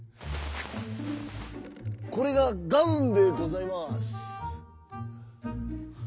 「これがガウンでございます」。